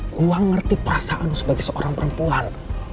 gua ngerti perasaan lu sebagai seorang perempuan